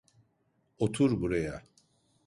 Otur buraya.